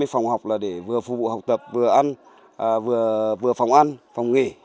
hai mươi phòng học là để vừa phục vụ học tập vừa ăn vừa phòng ăn phòng nghỉ